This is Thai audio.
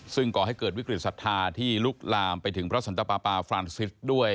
ซึ่งก่อให้เกิดวิกฤตศรัทธาที่ลุกลามไปถึงพระสันตปาปาฟรานซิสด้วย